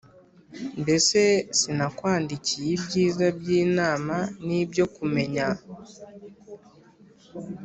mbese sinakwandikiye ibyiza by’inama n’ibyo kumenya,